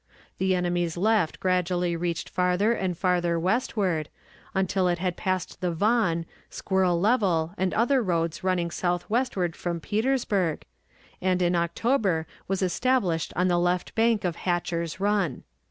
The enemy's left gradually reached farther and farther westward, until it had passed the Vaughan, Squirrel Level, and other roads running southwestward from Petersburg, and in October was established on the left bank of Hatcher's Run.